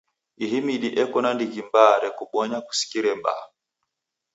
Ihi midi eko na ndighi mbaa rekubonya kusikire baa.